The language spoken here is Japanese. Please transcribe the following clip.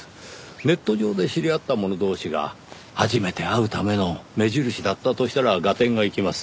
ネット上で知り合った者同士が初めて会うための目印だったとしたら合点がいきます。